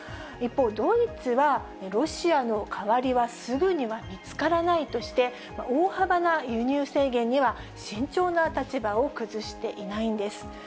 一方、ドイツは、ロシアの代わりはすぐには見つからないとして、大幅な輸入制限には慎重な立場を崩していないんです。